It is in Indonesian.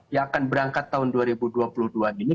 yang akan berangkat tahun dua ribu dua puluh dua ini